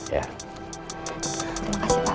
terima kasih pak